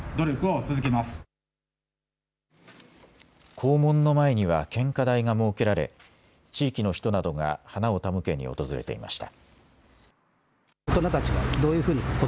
校門の前には献花台が設けられ地域の人などが花を手向けに訪れていました。